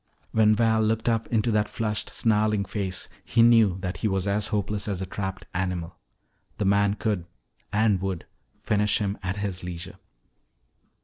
When Val looked up into that flushed, snarling face, he knew that he was as hopeless as a trapped animal. The man could and would finish him at his leisure.